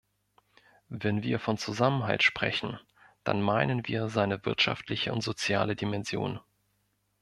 Wenn wir von Zusammenhalt sprechen, dann meinen wir seine wirtschaftliche und soziale Dimension.